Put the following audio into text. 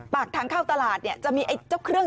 ปากทางเข้าตลาดเนี่ยจะมีไอ้เจ้าเครื่อง